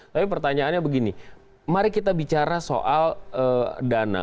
tapi pertanyaannya begini mari kita bicara soal dana